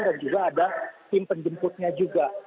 dan juga ada tim penjemputnya juga